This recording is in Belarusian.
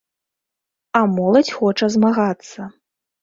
А моладзь хоча змагацца.